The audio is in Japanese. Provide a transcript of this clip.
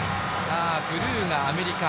ブルーがアメリカ。